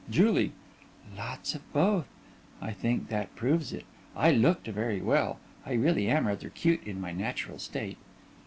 JULIE: Lots of both. I think that proves it. I looked very well. I really am rather cute in my natural state.